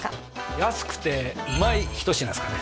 安くてうまい一品ですかね